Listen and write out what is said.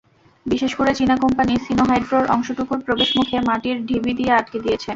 বিশেষ করে চীনা কোম্পানি সিনোহাইড্রোর অংশটুকুর প্রবেশমুখে মাটির ঢিবি দিয়ে আটকে দিয়েছে।